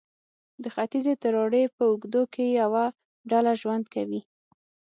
د ختیځې تراړې په اوږدو کې یوه ډله ژوند کوي.